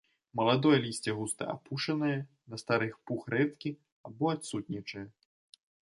Маладое лісце густа апушанае, на старых пух рэдкі або адсутнічае.